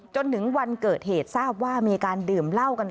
จนถึงวันเกิดเหตุทราบว่ามีการดื่มเหล้ากัน